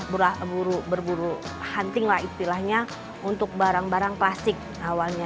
berburu hunting lah istilahnya untuk barang barang klasik awalnya